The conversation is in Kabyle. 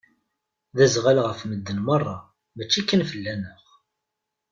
D azɣal ɣef madden meṛṛa mačči kan fell-aneɣ.